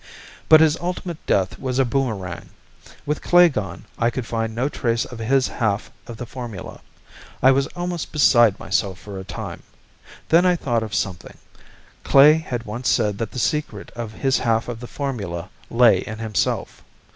"But his ultimate death was a boomerang. With Klae gone, I could find no trace of his half of the formula. I was almost beside myself for a time. Then I thought of something. Klae had once said that the secret of his half of the formula lay in himself.